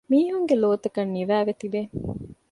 މީހުންގެ ލޯތަކަށް ނިވައިވެ ތިބޭ